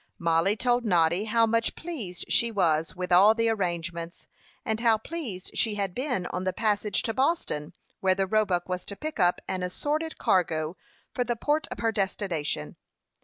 Mollie told Noddy how much pleased she was with all the arrangements, and how happy she had been on the passage to Boston, where the Roebuck was to pick up an assorted cargo for the port of her destination.